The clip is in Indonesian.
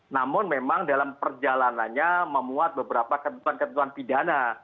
namun memang dalam perjalanannya memuat beberapa ketentuan ketentuan pidana